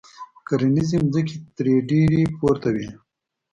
کرنیزې ځمکې ترې ډېرې پورته وې.